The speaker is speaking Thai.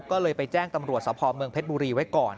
ก็เลยไปแจ้งตำรวจสภเมืองเพชรบุรีไว้ก่อน